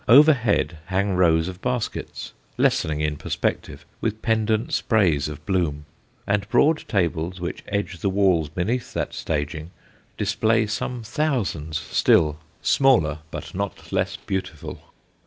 Overhead hang rows of baskets, lessening in perspective, with pendent sprays of bloom. And broad tables which edge the walls beneath that staging display some thousands still, smaller but not less beautiful.